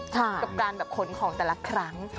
กับการแบบขนของแต่ละครั้ง